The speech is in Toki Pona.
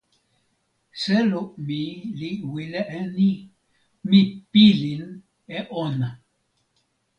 selo mi li wile e ni: mi pilin e ona.